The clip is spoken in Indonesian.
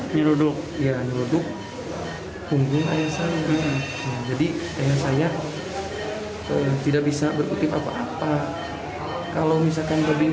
menyeruduk kumpulnya jadi saya tidak bisa berputih apa apa kalau misalkan lebih